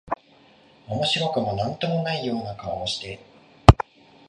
面白くも何とも無いような顔をして、